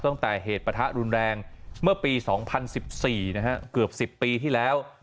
ตั้งแต่เหตุประทะรุนแรงเมื่อปี๒๐๑๔นะฮะเกือบ๑๐ปีที่แล้ว